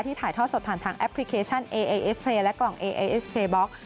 ถ่ายทอดสดผ่านทางแอปพลิเคชันเอเอสเพลย์และกล่องเอเอสเพลย์บล็อก